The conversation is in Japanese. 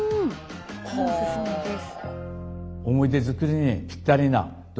おすすめです。